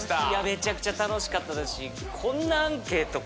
めちゃくちゃ楽しかったですし。